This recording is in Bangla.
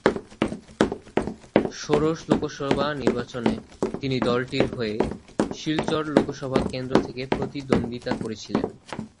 ষোড়শ লোকসভা নির্বাচনে তিনি দলটির হয়ে শিলচর লোকসভা কেন্দ্র থেকে প্রতিদ্বন্দ্বিতা করেছিলেন।